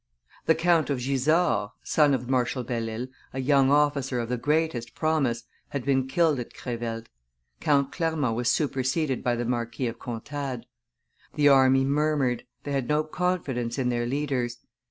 The Count of Gisors, son of Marshal Belle Isle, a young officer of the greatest promise, had been killed at Crevelt; Count Clermont was superseded by the Marquis of Contades. The army murmured; they had no confidence in their leaders.